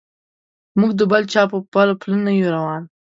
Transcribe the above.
موږ د بل چا په پله نه یو روان.